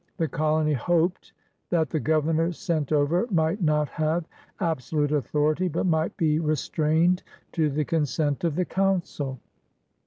The colony hoped that "the Governors sent over might not have absolute authority, but might be restrained to the consent of the Council.